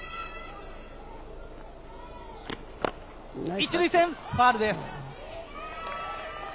１塁線、ファウルです。